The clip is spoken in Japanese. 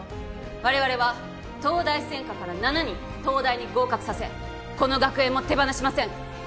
我々は東大専科から７人東大に合格させこの学園も手放しません